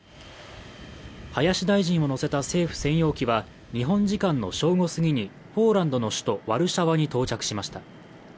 林大臣を乗せた政府専用機は日本時間の正午過ぎにポーランドの首都ワルシャワに到着しました。